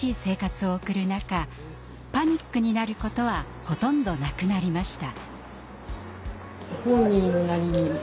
パニックになることはほとんどなくなりました。